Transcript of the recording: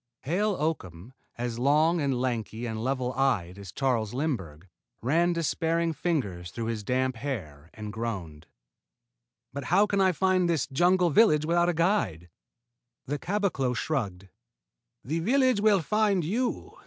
Hale Oakham, as long and lanky and level eyed as Charles Lindbergh, ran despairing fingers through his damp hair and groaned. "But how can I find this jungle village without a guide?" The caboclo shrugged. "The village will find you.